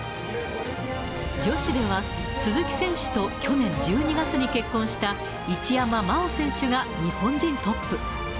女子では、鈴木選手と去年１２月に結婚した一山麻緒選手が日本人トップ。